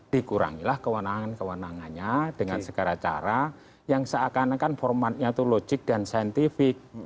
dikurangilah kewenangan kewenangannya dengan segala cara yang seakan akan formatnya itu logik dan saintifik